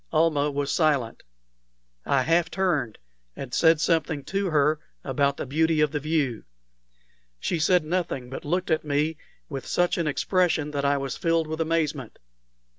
Almah was silent. I half turned, and said something to her about the beauty of the view. She said nothing, but looked at me with such an expression that I was filled with amazement.